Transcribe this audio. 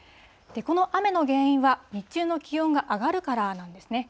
この雨の原因は、日中の気温が上がるからなんですね。